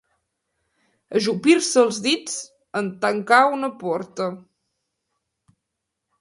Ajupir-se els dits en tancar una porta.